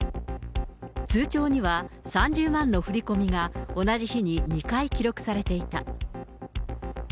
通帳には３０万の振り込みが、同じ日に２回記録されていた。